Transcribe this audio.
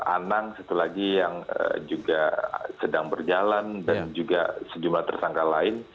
anang satu lagi yang juga sedang berjalan dan juga sejumlah tersangka lain